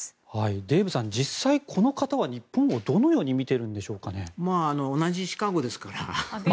デーブさん実際この方は日本をどのように見ているんですかね？